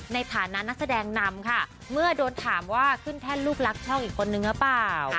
ในฐานะนักแสดงนำค่ะเมื่อโดนถามว่าขึ้นแท่นลูกรักช่องอีกคนนึงหรือเปล่า